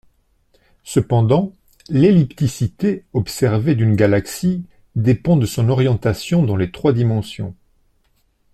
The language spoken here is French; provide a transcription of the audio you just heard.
Cependant, l'ellipticité observée d'une galaxie dépend de son orientation dans les trois dimensions.